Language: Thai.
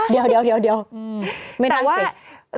เดี๋ยวไม่น่าเสร็จ